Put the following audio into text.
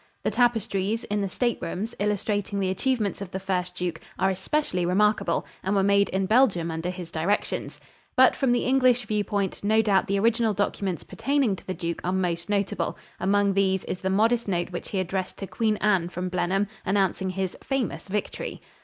The tapestries, in the state rooms, illustrating the achievements of the first Duke, are especially remarkable and were made in Belgium under his directions. But from the English view point, no doubt the original documents pertaining to the Duke are most notable; among these is the modest note which he addressed to Queen Anne from Blenheim, announcing his "famous victory."